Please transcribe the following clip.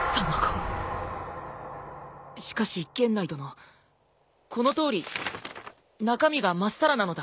しかし源内殿このとおり中身が真っさらなのだ。